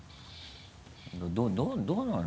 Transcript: どうなの？